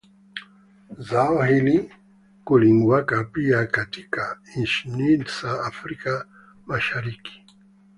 Zao hili hulimwa pia katika nchi za Africa Mashariki,